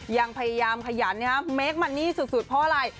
ยังพยายามขยันเมคมันนี่สุดเพราะอะไร